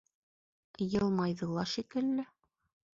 Йылмайҙы ла шикелле.